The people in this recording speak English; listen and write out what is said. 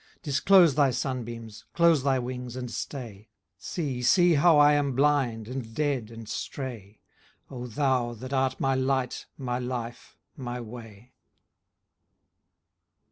Disclose thy sun beams, close thy wings and stay ; See, see how I am blind and dead, and stray, O thou that art my Light, my life, my way.